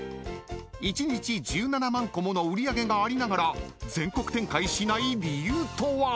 ［一日１７万個もの売り上げがありながら全国展開しない理由とは？］